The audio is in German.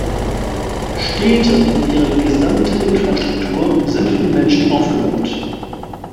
Städte und ihre gesamte Infrastruktur sind von Menschen aufgebaut.